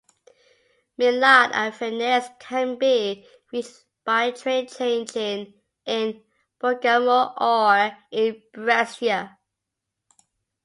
Milan and Venice can be reached by train changing in Bergamo or in Brescia.